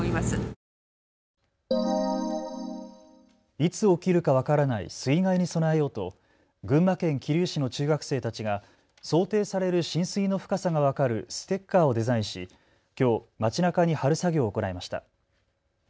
いつ起きるか分からない水害に備えようと群馬県桐生市の中学生たちが想定される浸水の深さが分かるステッカーをデザインしきょう、街なかに貼る作業を行いました。